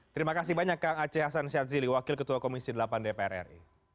terima kasih banyak kang aceh hasan syadzili wakil ketua komisi delapan dpr ri